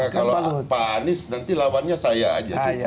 kalau pak anies nanti lawannya saya aja